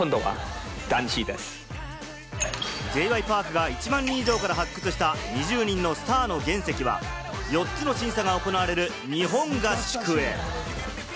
Ｊ．Ｙ．Ｐａｒｋが１万人以上から発掘した２０人のスターの原石は４つの審査が行われる日本合宿へ。